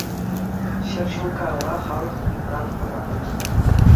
Ҫӗр ҫул каялла халӑх гриппран хӑранӑ.